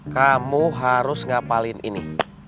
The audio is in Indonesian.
kamu harus ngapalin ini